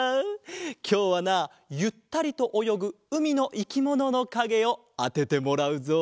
きょうはなゆったりとおよぐうみのいきもののかげをあててもらうぞ！